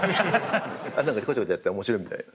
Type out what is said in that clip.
何かこちょこちょやって面白いみたいな。